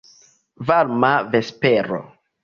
Varma vespero.